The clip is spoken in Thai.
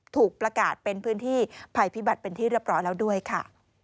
ถูกประกาศเป็นพื้นที่ภัยพิบัติเป็นที่เรียบร้อยแล้วด้วยค่ะ